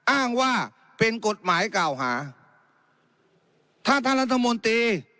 อ้างว่าเป็นกฎหมายกล่าวหาถ้าท่านรัฐมนตรี